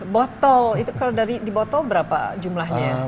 botol itu kalau dibotol berapa jumlahnya